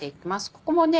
ここもね